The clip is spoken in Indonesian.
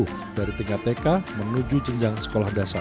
tidak ada yang bisa diberikan kemampuan untuk mencapai kemampuan yang baru